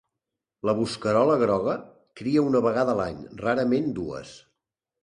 La bosquerola groga cria una vegada l'any, rarament dues.